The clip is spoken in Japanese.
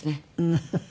フフフフ。